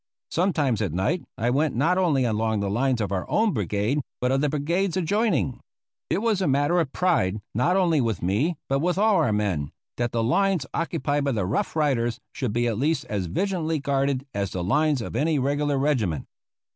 Sometimes at night I went not only along the lines of our own brigade, but of the brigades adjoining. It was a matter of pride, not only with me, but with all our men, that the lines occupied by the Rough Riders should be at least as vigilantly guarded as the lines of any regular regiment.